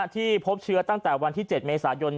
ที่พบเชื้อตั้งแต่วันที่๗เมษายน